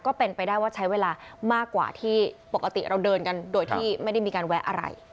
ก็เป็นไปได้ว่าใช้เวลามากกว่าที่ปกติเราเดินกันโดยที่ไม่ได้มีการแวะอะไร